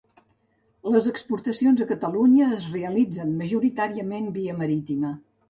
Les exportacions a Catalunya es realitzen majoritàriament via marítima